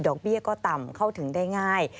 เบี้ยก็ต่ำเข้าถึงได้ง่าย